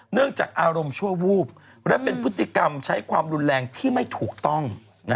จากอารมณ์ชั่ววูบและเป็นพฤติกรรมใช้ความรุนแรงที่ไม่ถูกต้อง